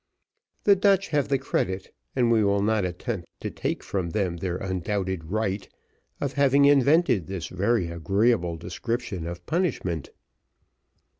The Dutch have the credit, and we will not attempt to take from them their undoubted right, of having invented this very agreeable description of punishment.